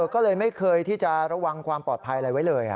ก็เลยไม่เคยที่จะระวังความปลอดภัยอะไรไว้เลย